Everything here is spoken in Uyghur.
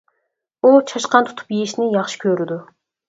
ئۇ چاشقان تۇتۇپ يېيىشنى ياخشى كۆرىدۇ.